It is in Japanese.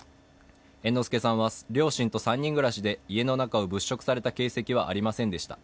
猿之助さんは両親と３人暮らしで、家の中を物色された形跡はありませんでした。